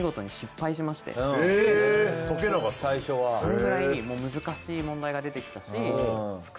それくらい難しい問題が出てきたし。